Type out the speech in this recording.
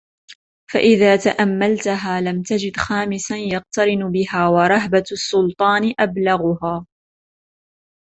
فَإِذَا تَأَمَّلْتهَا لَمْ تَجِدْ خَامِسًا يَقْتَرِنُ بِهَا وَرَهْبَةُ السُّلْطَانِ أَبْلَغُهَا